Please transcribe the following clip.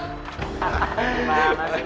gak apa apa deh